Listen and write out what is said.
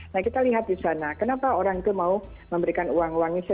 nah kita lihat di sana kenapa orang itu mau memberikan uang uang ini